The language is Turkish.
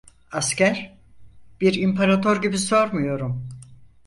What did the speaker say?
Asker, bir İmparator gibi sormuyorum.